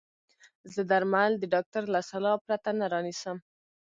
زه درمل د ډاکټر له سلا پرته نه رانيسم.